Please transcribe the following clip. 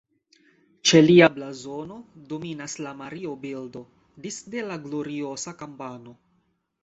Ĉe lia blazono dominas la Mario-bildo disde la Gloriosa-kampano.